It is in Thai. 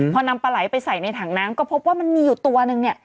พอนำปลาไหลไปใส่ในถังน้ำก็พบว่ามันมีอยู่ตัวนึงเนี่ย